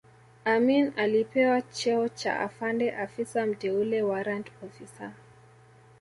Amin alipewa cheo cha Afande Afisa Mteule warrant officer